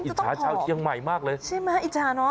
อิจฉาชาวเชียงใหม่มากเลยใช่ไหมอิจฉาเนาะ